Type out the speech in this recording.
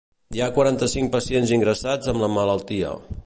Hi ha quaranta-cinc pacients ingressats amb la malaltia.